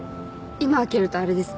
今開けるとあれです。